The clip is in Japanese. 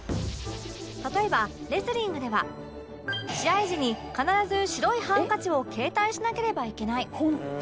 例えばレスリングでは試合時に必ず白いハンカチを携帯しなければいけない